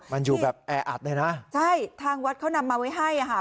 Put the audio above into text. มันอยู่แบบแออัดเลยนะใช่ทางวัดเขานำมาไว้ให้อ่ะค่ะ